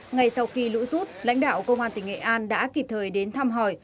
ngay sau khi lũ rút lãnh đạo công an tỉnh nghệ an đã kịp thời đến thăm hỏi